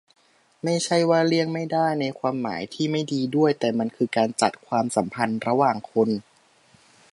ไม่ใช่ว่า "เลี่ยงไม่ได้" ในความหมายที่ไม่ดีด้วย แต่มันคือการจัดความสัมพันธ์ระหว่างคน